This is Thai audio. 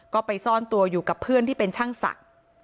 ก็ไปซ่อนตัวอยู่กับเพื่อนที่เป็นช่างศักดิ์